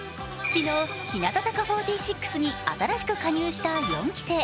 昨日、日向坂４６に新しく加入した４期生。